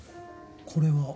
これは？